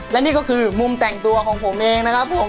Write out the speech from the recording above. และนี่ก็คือมุมแต่งตัวของผมเอง